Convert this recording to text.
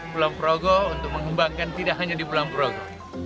kulon progo untuk mengembangkan tidak hanya di kulon progo